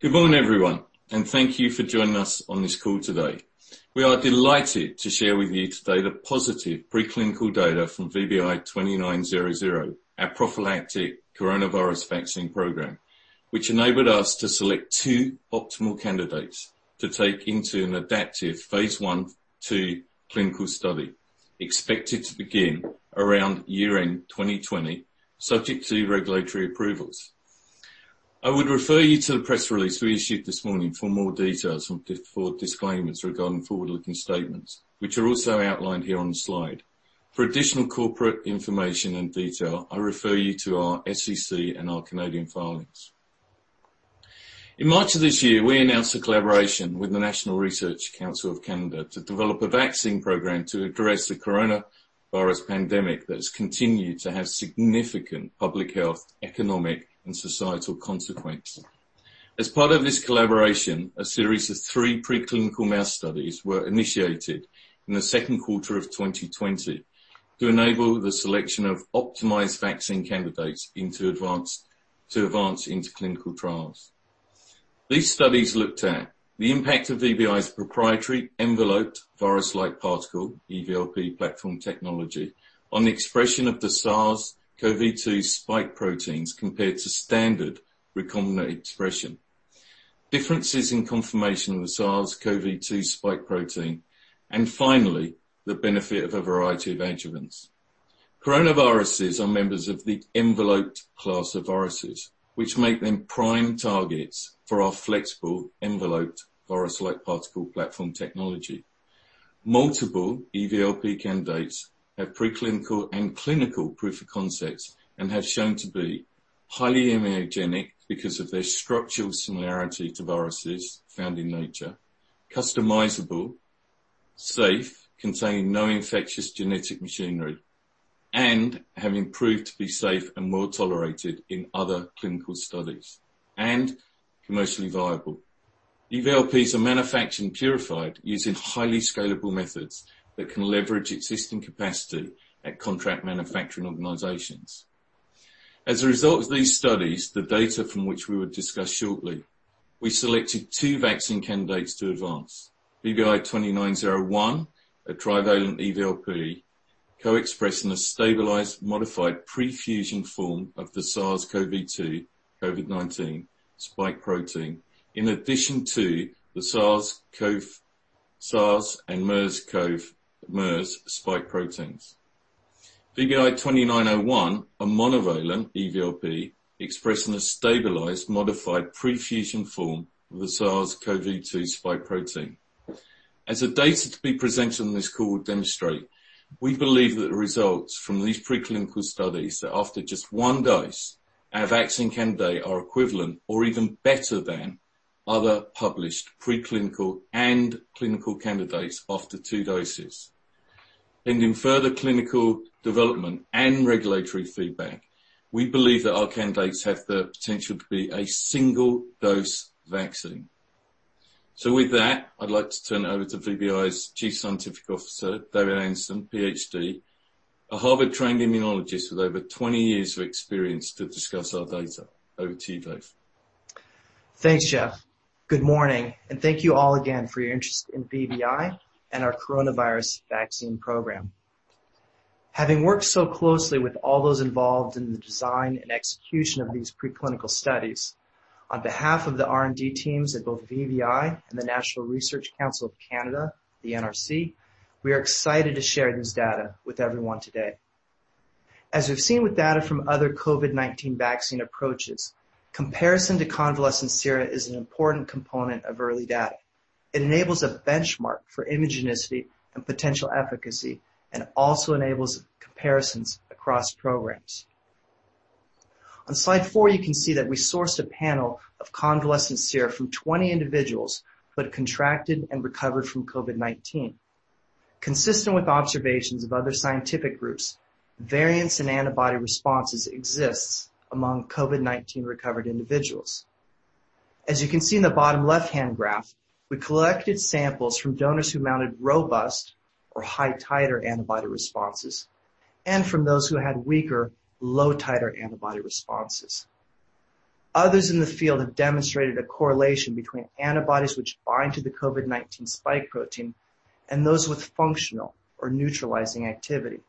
Good morning, everyone, and thank you for joining us on this call today. We are delighted to share with you today the positive preclinical data from VBI-2900, our prophylactic coronavirus vaccine program, which enabled us to select two optimal candidates to take into an adaptive phase I/II clinical study, expected to begin around year-end 2020, subject to regulatory approvals. I would refer you to the press release we issued this morning for more details and for disclaimers regarding forward-looking statements, which are also outlined here on the slide. For additional corporate information and detail, I refer you to our SEC and our Canadian filings. In March of this year, we announced a collaboration with the National Research Council of Canada to develop a vaccine program to address the coronavirus pandemic that has continued to have significant public health, economic, and societal consequences. As part of this collaboration, a series of three preclinical mouse studies were initiated in the second quarter of 2020 to enable the selection of optimized vaccine candidates to advance into clinical trials. These studies looked at the impact of VBI's proprietary enveloped virus-like particle, eVLP, platform technology on the expression of the SARS-CoV-2 spike proteins compared to standard recombinant expression, differences in conformation of the SARS-CoV-2 spike protein, and finally, the benefit of a variety of adjuvants. Coronaviruses are members of the enveloped class of viruses, which make them prime targets for our flexible enveloped virus-like particle platform technology. Multiple eVLP candidates have preclinical and clinical proof of concepts, and have shown to be highly immunogenic because of their structural similarity to viruses found in nature, customizable, safe, containing no infectious genetic machinery, and having proved to be safe and well-tolerated in other clinical studies, and commercially viable. eVLPs are manufactured and purified using highly scalable methods that can leverage existing capacity at contract manufacturing organizations. As a result of these studies, the data from which we will discuss shortly, we selected two vaccine candidates to advance. VBI-2901, a trivalent eVLP, co-expressing a stabilized, modified prefusion form of the SARS-CoV-2, COVID-19 spike protein, in addition to the SARS and MERS spike proteins. VBI-2901, a monovalent eVLP expressing a stabilized, modified prefusion form of the SARS-CoV-2 spike protein. As the data to be presented on this call demonstrate, we believe that the results from these preclinical studies that after just one dose, our vaccine candidate are equivalent or even better than other published preclinical and clinical candidates after two doses. In further clinical development and regulatory feedback, we believe that our candidates have the potential to be a single-dose vaccine. With that, I'd like to turn it over to VBI's Chief Scientific Officer, David Anderson, PhD, a Harvard-trained immunologist with over 20 years of experience, to discuss our data. Over to you, Dave. Thanks, Jeff. Good morning, thank you all again for your interest in VBI and our coronavirus vaccine program. Having worked so closely with all those involved in the design and execution of these preclinical studies, on behalf of the R&D teams at both VBI and the National Research Council of Canada, the NRC, we are excited to share this data with everyone today. As we've seen with data from other COVID-19 vaccine approaches, comparison to convalescent sera is an important component of early data. It enables a benchmark for immunogenicity and potential efficacy, also enables comparisons across programs. On slide four, you can see that we sourced a panel of convalescent sera from 20 individuals who had contracted and recovered from COVID-19. Consistent with observations of other scientific groups, variance in antibody responses exists among COVID-19 recovered individuals. As you can see in the bottom left-hand graph, we collected samples from donors who mounted robust or high titer antibody responses, and from those who had weaker low titer antibody responses. Others in the field have demonstrated a correlation between antibodies which bind to the COVID-19 spike protein and those with functional or neutralizing activity.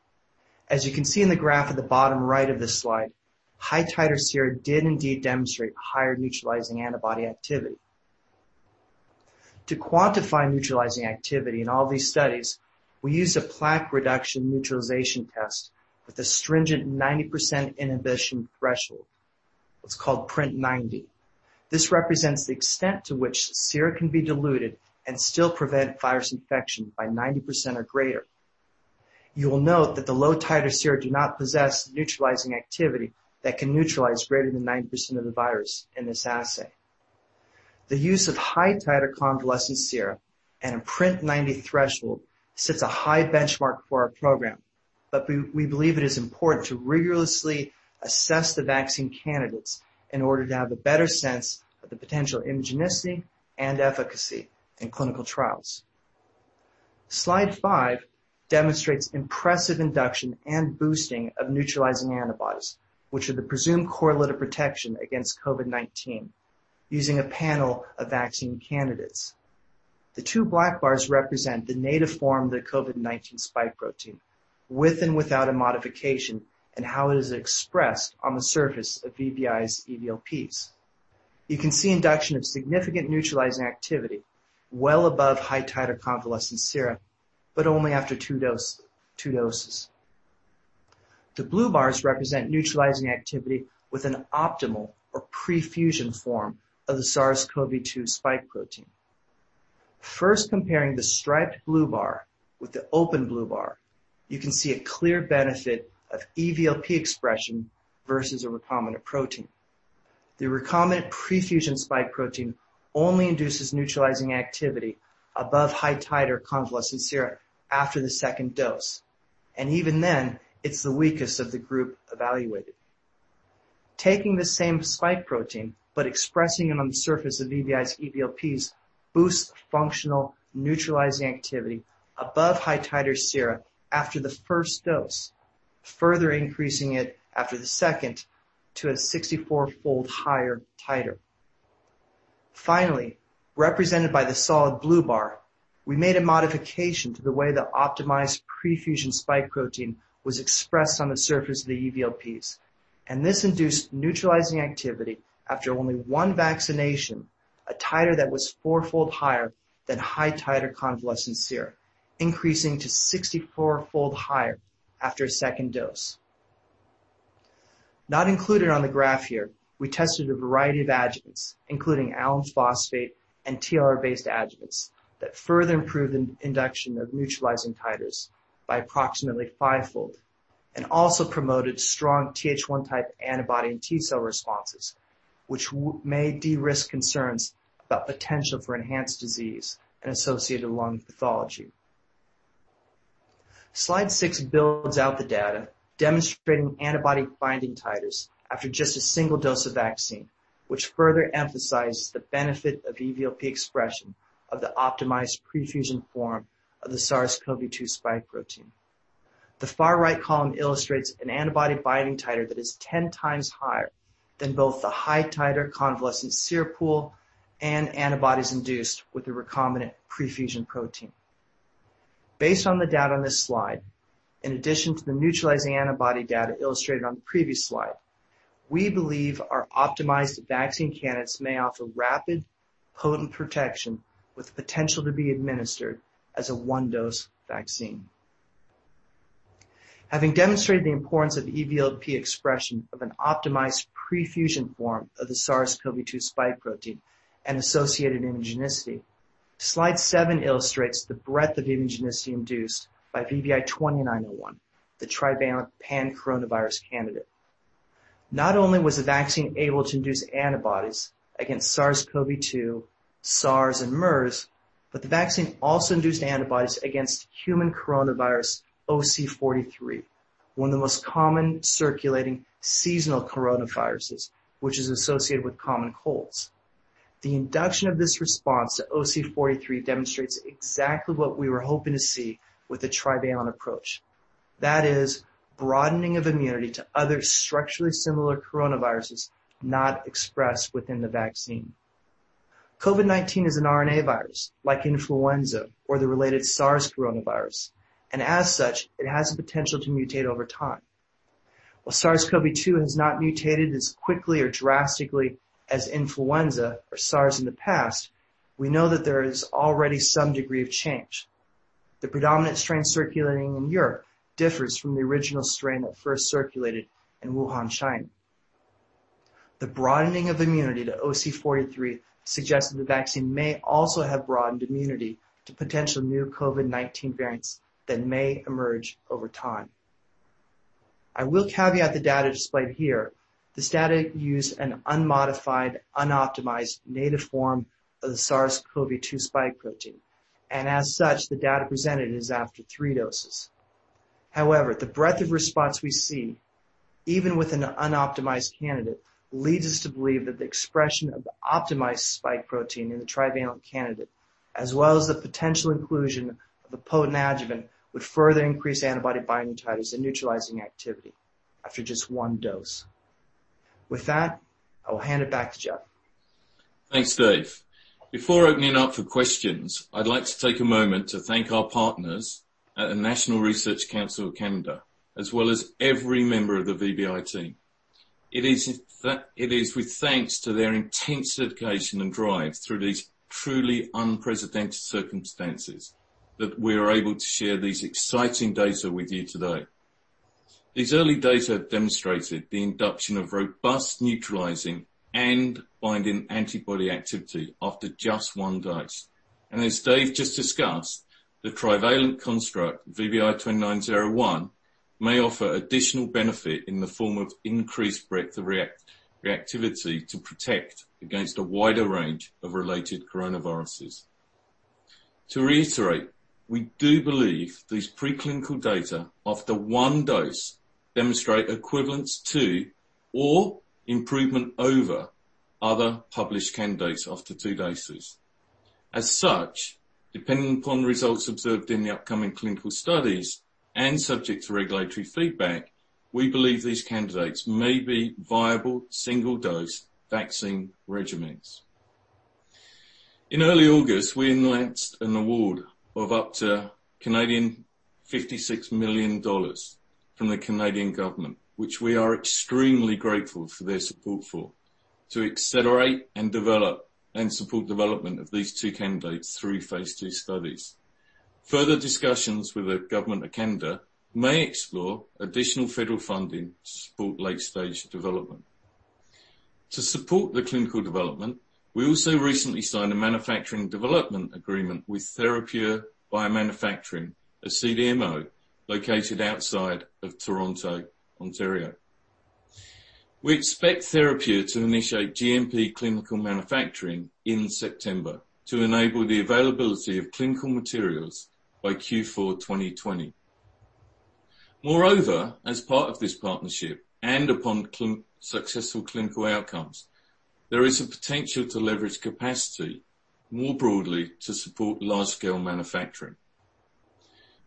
As you can see in the graph at the bottom right of this slide, high titer sera did indeed demonstrate higher neutralizing antibody activity. To quantify neutralizing activity in all these studies, we used a plaque reduction neutralization test with a stringent 90% inhibition threshold. It's called PRNT90. This represents the extent to which sera can be diluted and still prevent virus infection by 90% or greater. You will note that the low titer sera do not possess neutralizing activity that can neutralize greater than 90% of the virus in this assay. The use of high titer convalescent sera and a PRNT90 threshold sets a high benchmark for our program, but we believe it is important to rigorously assess the vaccine candidates in order to have a better sense of the potential immunogenicity and efficacy in clinical trials. Slide five demonstrates impressive induction and boosting of neutralizing antibodies, which are the presumed correlate of protection against COVID-19, using a panel of vaccine candidates. The two black bars represent the native form of the COVID-19 spike protein, with and without a modification, and how it is expressed on the surface of VBI's eVLPs. You can see induction of significant neutralizing activity well above high titer convalescent sera, but only after two doses. The blue bars represent neutralizing activity with an optimal or prefusion form of the SARS-CoV-2 spike protein. First comparing the striped blue bar with the open blue bar, you can see a clear benefit of eVLP expression versus a recombinant protein. The recombinant prefusion spike protein only induces neutralizing activity above high titer convalescent sera after the second dose. Even then, it's the weakest of the group evaluated. Taking the same spike protein but expressing it on the surface of VBI's eVLPs boosts functional neutralizing activity above high titer sera after the first dose, further increasing it after the second to a 64-fold higher titer. Finally, represented by the solid blue bar, we made a modification to the way the optimized prefusion spike protein was expressed on the surface of the eVLPs. This induced neutralizing activity after only one vaccination, a titer that was four-fold higher than high titer convalescent sera, increasing to 64-fold higher after a second dose. Not included on the graph here, we tested a variety of adjuvants, including alum phosphate and TLR-based adjuvants that further improved the induction of neutralizing titers by approximately five-fold, and also promoted strong Th1 type antibody and T-cell responses, which may de-risk concerns about potential for enhanced disease and associated lung pathology. Slide six builds out the data, demonstrating antibody binding titers after just a single dose of vaccine, which further emphasizes the benefit of eVLP expression of the optimized prefusion form of the SARS-CoV-2 spike protein. The far right column illustrates an antibody binding titer that is 10 times higher than both the high titer convalescent sera pool and antibodies induced with the recombinant prefusion protein. Based on the data on this slide, in addition to the neutralizing antibody data illustrated on the previous slide, we believe our optimized vaccine candidates may offer rapid, potent protection with potential to be administered as a one-dose vaccine. Having demonstrated the importance of eVLP expression of an optimized prefusion form of the SARS-CoV-2 spike protein and associated immunogenicity, slide seven illustrates the breadth of immunogenicity induced by VBI-2901, the trivalent pan-coronavirus candidate. Not only was the vaccine able to induce antibodies against SARS-CoV-2, SARS, and MERS, but the vaccine also induced antibodies against human coronavirus OC43, one of the most common circulating seasonal coronaviruses, which is associated with common colds. The induction of this response to OC43 demonstrates exactly what we were hoping to see with the trivalent approach. That is, broadening of immunity to other structurally similar coronaviruses not expressed within the vaccine. COVID-19 is an RNA virus, like influenza or the related SARS coronavirus, and as such, it has the potential to mutate over time. While SARS-CoV-2 has not mutated as quickly or drastically as influenza or SARS in the past, we know that there is already some degree of change. The predominant strain circulating in Europe differs from the original strain that first circulated in Wuhan, China. The broadening of immunity to OC43 suggests that the vaccine may also have broadened immunity to potential new COVID-19 variants that may emerge over time. I will caveat the data displayed here. This data used an unmodified, unoptimized native form of the SARS-CoV-2 spike protein, and as such, the data presented is after three doses. The breadth of response we see, even with an unoptimized candidate, leads us to believe that the expression of the optimized spike protein in the trivalent candidate, as well as the potential inclusion of the potent adjuvant, would further increase antibody binding titers and neutralizing activity after just one dose. With that, I will hand it back to Jeff. Thanks, Dave. Before opening it up for questions, I'd like to take a moment to thank our partners at the National Research Council of Canada, as well as every member of the VBI team. It is with thanks to their intense dedication and drive through these truly unprecedented circumstances that we are able to share these exciting data with you today. These early data have demonstrated the induction of robust neutralizing and binding antibody activity after just one dose. As Dave just discussed, the trivalent construct, VBI-2901, may offer additional benefit in the form of increased breadth of reactivity to protect against a wider range of related coronaviruses. To reiterate, we do believe these preclinical data after one dose demonstrate equivalence to, or improvement over other published candidates after two doses. As such, depending upon results observed in the upcoming clinical studies and subject to regulatory feedback, we believe these candidates may be viable single-dose vaccine regimens. In early August, we announced an award of up to 56 million Canadian dollars from the Canadian government, which we are extremely grateful for their support for, to accelerate and support development of these two candidates through phase II studies. Further discussions with the government of Canada may explore additional federal funding to support late-stage development. To support the clinical development, we also recently signed a manufacturing development agreement with Therapure Biomanufacturing, a CDMO located outside of Toronto, Ontario. We expect Therapure to initiate GMP clinical manufacturing in September to enable the availability of clinical materials by Q4 2020. As part of this partnership, and upon successful clinical outcomes, there is a potential to leverage capacity more broadly to support large-scale manufacturing.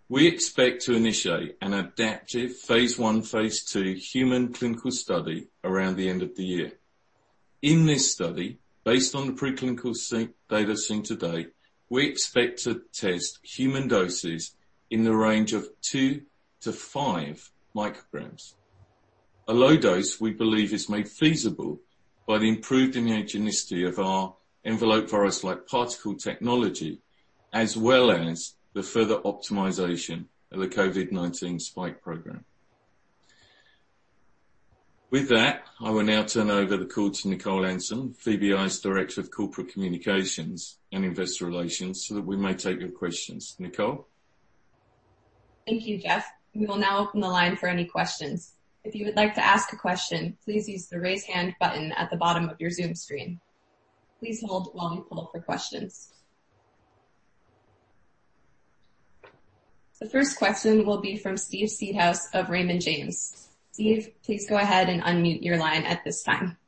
We expect to initiate an adaptive phase I, phase II human clinical study around the end of the year. In this study, based on the preclinical data seen today, we expect to test human doses in the range of two to five micrograms. A low dose we believe is made feasible by the improved immunogenicity of our enveloped virus-like particle technology, as well as the further optimization of the COVID-19 spike program. With that, I will now turn over the call to Nicole Anderson, VBI's Director of Corporate Communications and Investor Relations, so that we may take your questions. Nicole? Thank you, Jeff. We will now open the line for any questions. If you would like to ask a question, please use the raise hand button at the bottom of your Zoom screen. Please hold while we poll for questions. The first question will be from Steve Seedhouse of Raymond James. Steve, please go ahead and unmute your line at this time.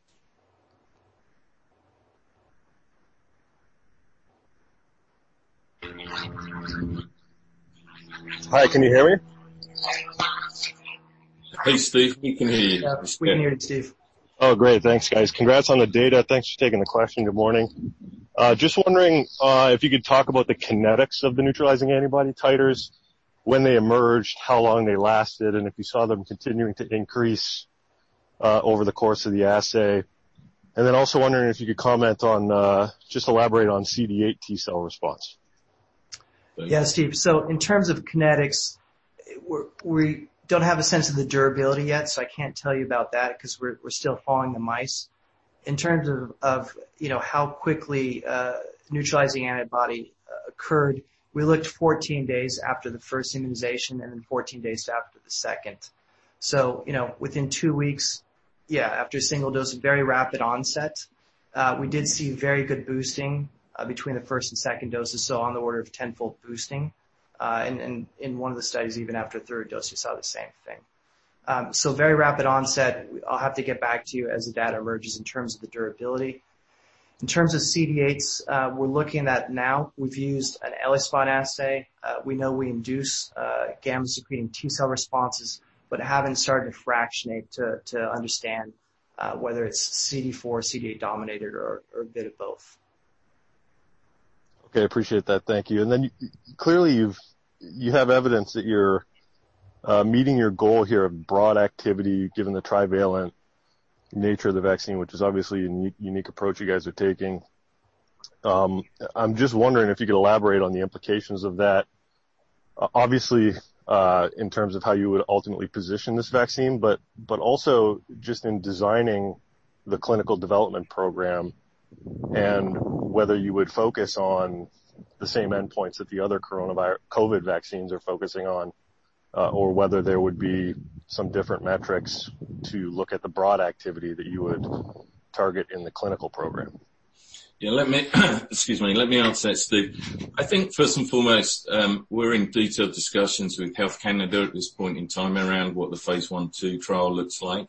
Hi, can you hear me? Hey, Steve. We can hear you. Yeah, we can hear you, Steve. Oh, great. Thanks, guys. Congrats on the data. Thanks for taking the question. Good morning. Just wondering if you could talk about the kinetics of the neutralizing antibody titers, when they emerged, how long they lasted, and if you saw them continuing to increase over the course of the assay. Also wondering if you could comment on, just elaborate on CD8 T cell response. Dave. Yeah, Steve. In terms of kinetics, we don't have a sense of the durability yet, so I can't tell you about that because we're still following the mice. In terms of how quickly neutralizing antibody occurred, we looked 14 days after the first immunization and then 14 days after the second. Within two weeks, after a single dose, a very rapid onset. We did see very good boosting between the first and second doses, on the order of 10-fold boosting. In one of the studies, even after a third dose, we saw the same thing. Very rapid onset. I'll have to get back to you as the data emerges in terms of the durability. In terms of CD8s, we're looking at now, we've used an ELISpot assay. We know we induce interferon-gamma-secreting T cell responses but haven't started to fractionate to understand whether it's CD4 or CD8 dominated or a bit of both. Okay. I appreciate that. Thank you. Clearly, you have evidence that you're meeting your goal here of broad activity, given the trivalent nature of the vaccine, which is obviously a unique approach you guys are taking. I'm just wondering if you could elaborate on the implications of that. Obviously, in terms of how you would ultimately position this vaccine, but also just in designing the clinical development program and whether you would focus on the same endpoints that the other COVID-19 vaccines are focusing on, or whether there would be some different metrics to look at the broad activity that you would target in the clinical program. Yeah. Let me answer that, Steve. I think first and foremost, we're in detailed discussions with Health Canada at this point in time around what the phase I/II trial looks like.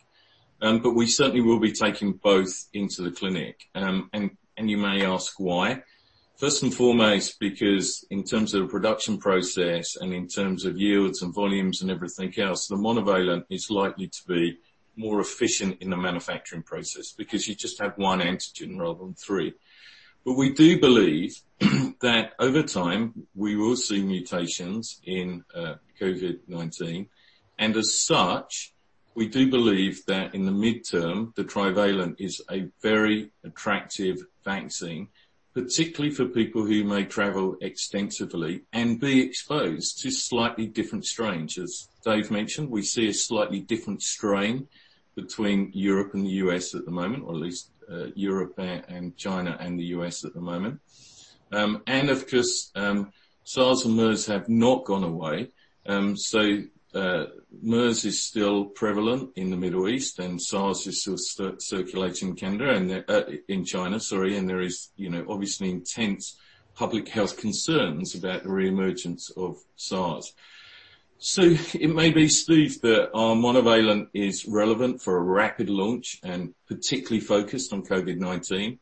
We certainly will be taking both into the clinic. You may ask why. First and foremost, because in terms of the production process and in terms of yields and volumes and everything else, the monovalent is likely to be more efficient in the manufacturing process because you just have one antigen rather than three. We do believe that over time, we will see mutations in COVID-19. As such, we do believe that in the midterm, the trivalent is a very attractive vaccine, particularly for people who may travel extensively and be exposed to slightly different strains. As Dave mentioned, we see a slightly different strain between Europe and the U.S. at the moment, or at least Europe and China and the U.S. at the moment. Of course, SARS and MERS have not gone away. MERS is still prevalent in the Middle East, and SARS is still circulating in Canada, in China, sorry, and there is obviously intense public health concerns about the reemergence of SARS. It may be, Steve, that our monovalent is relevant for a rapid launch and particularly focused on COVID-19.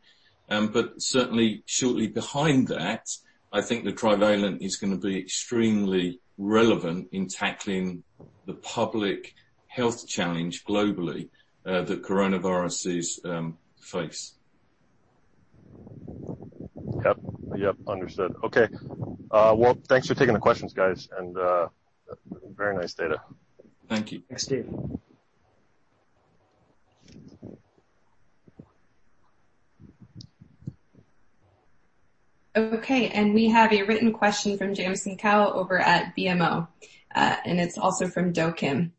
Certainly shortly behind that, I think the trivalent is going to be extremely relevant in tackling the public health challenge globally that coronaviruses face. Yep. Understood. Okay. Well, thanks for taking the questions, guys, and very nice data. Thank you. Thanks, Steve. Okay, we have a written question from [Jameson Cao] over at BMO, and it's also from Do Kim.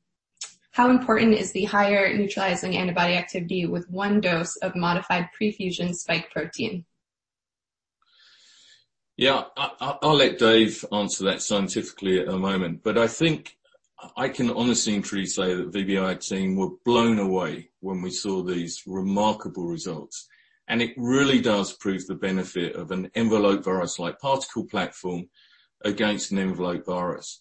How important is the higher neutralizing antibody activity with one dose of modified prefusion spike protein? Yeah, I'll let Dave answer that scientifically in a moment. I think I can honestly and truly say that VBI team were blown away when we saw these remarkable results. It really does prove the benefit of an enveloped virus-like particle platform against an enveloped virus.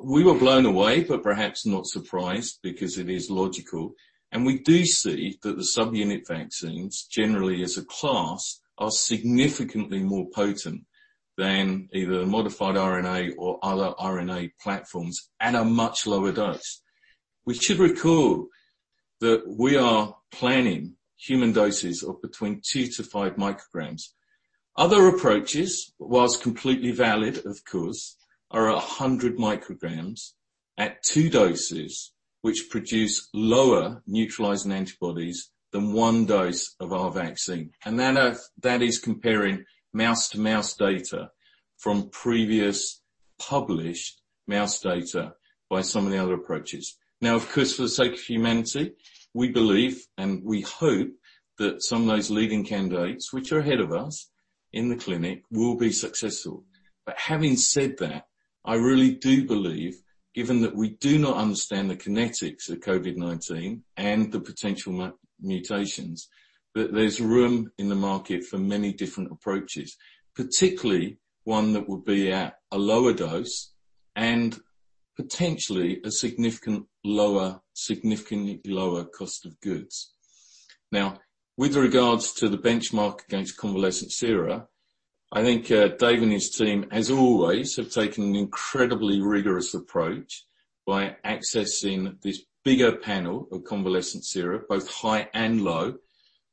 We were blown away, but perhaps not surprised, because it is logical, and we do see that the subunit vaccines, generally as a class, are significantly more potent than either modified RNA or other RNA platforms at a much lower dose. We should recall that we are planning human doses of between two to five micrograms. Other approaches, whilst completely valid of course, are 100 micrograms at two doses, which produce lower neutralizing antibodies than one dose of our vaccine. That is comparing mouse-to-mouse data from previous published mouse data by some of the other approaches. Of course, for the sake of humanity, we believe and we hope that some of those leading candidates, which are ahead of us in the clinic, will be successful. Having said that, I really do believe, given that we do not understand the kinetics of COVID-19 and the potential mutations, that there's room in the market for many different approaches, particularly one that would be at a lower dose and potentially a significantly lower cost of goods. With regards to the benchmark against convalescent sera, I think Dave and his team, as always, have taken an incredibly rigorous approach by accessing this bigger panel of convalescent sera, both high and low.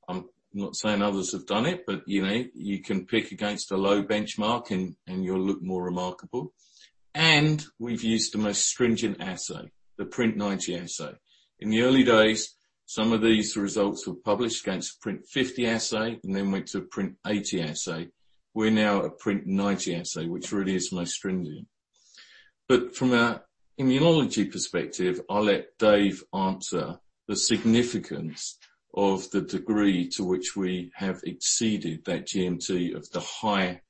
I'm not saying others have done it, you can pick against a low benchmark, and you'll look more remarkable. We've used the most stringent assay, the PRNT90 assay. In the early days, some of these results were published against PRNT50 assay and then went to PRNT80 assay. We're now at PRNT90 assay, which really is most stringent. From an immunology perspective, I'll let Dave answer the significance of the degree to which we have exceeded that GMT of the high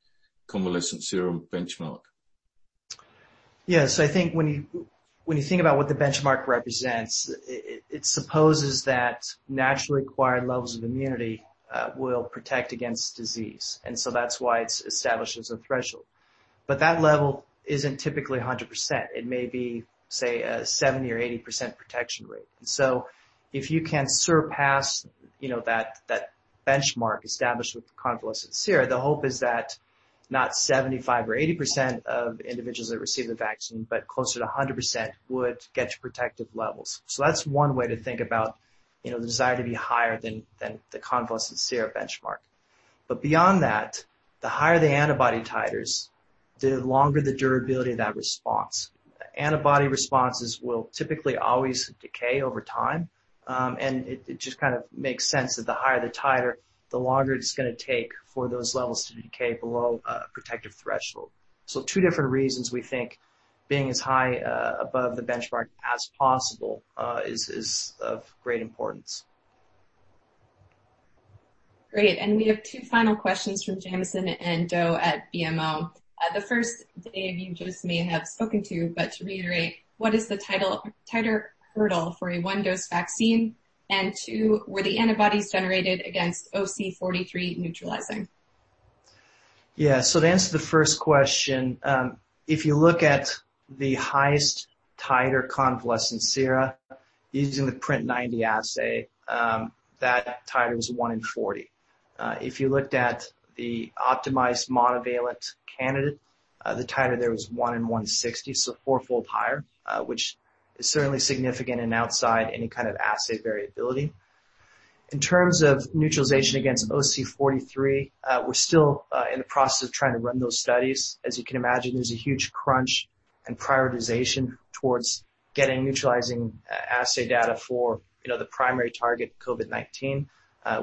convalescent sera benchmark. Yes, I think when you think about what the benchmark represents, it supposes that naturally acquired levels of immunity will protect against disease, and so that's why it establishes a threshold. That level isn't typically 100%. It may be, say, a 70% or 80% protection rate. If you can surpass that benchmark established with the convalescent sera, the hope is that not 75% or 80% of individuals that receive the vaccine, but closer to 100% would get to protective levels. So that's one way to think about the desire to be higher than the convalescent sera benchmark. Beyond that, the higher the antibody titers, the longer the durability of that response. Antibody responses will typically always decay over time, and it just kind of makes sense that the higher the titer, the longer it's going to take for those levels to decay below a protective threshold. Two different reasons we think being as high above the benchmark as possible is of great importance. Great, we have two final questions from [Jameson] and Do at BMO. The first, Dave, you just may have spoken to, but to reiterate, what is the titer hurdle for a one-dose vaccine? Two, were the antibodies generated against OC43 neutralizing? To answer the first question, if you look at the highest titer convalescent sera using the PRNT90 assay, that titer was 1 in 40. If you looked at the optimized monovalent candidate, the titer there was 1 in 160, so fourfold higher, which is certainly significant and outside any kind of assay variability. In terms of neutralization against OC43, we're still in the process of trying to run those studies. As you can imagine, there's a huge crunch and prioritization towards getting neutralizing assay data for the primary target, COVID-19.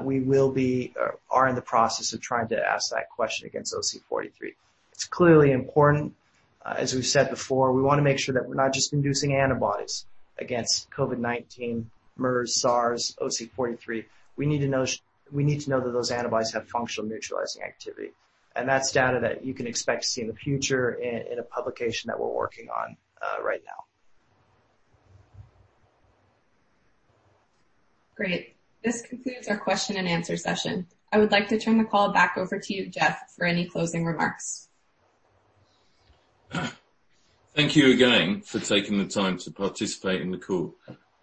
We are in the process of trying to ask that question against OC43. It's clearly important. As we've said before, we want to make sure that we're not just inducing antibodies against COVID-19, MERS, SARS, OC43. We need to know that those antibodies have functional neutralizing activity. That's data that you can expect to see in the future in a publication that we're working on right now. Great. This concludes our question and answer session. I would like to turn the call back over to you, Jeff, for any closing remarks. Thank you again for taking the time to participate in the call.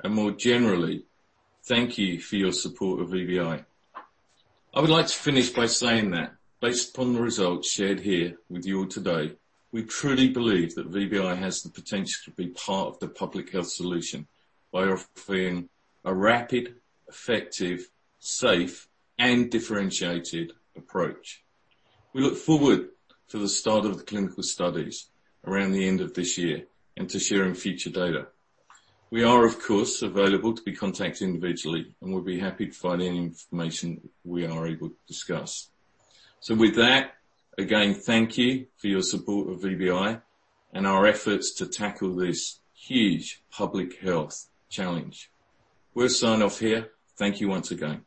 More generally, thank you for your support of VBI. I would like to finish by saying that based upon the results shared here with you all today, we truly believe that VBI has the potential to be part of the public health solution by offering a rapid, effective, safe, and differentiated approach. We look forward to the start of the clinical studies around the end of this year and to sharing future data. We are, of course, available to be contacted individually, and we'll be happy to provide any information we are able to discuss. With that, again, thank you for your support of VBI and our efforts to tackle this huge public health challenge. We're signing off here. Thank you once again.